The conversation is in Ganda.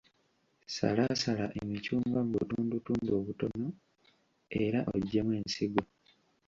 Salaasala emicungwa mu butundutundu obutono, era oggyemu ensigo.